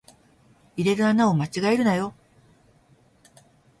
入れる穴を間違えるなよ